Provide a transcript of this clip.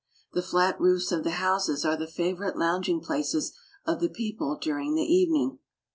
The flat roofs of the houses are the favor B lounging places of the people during the evening.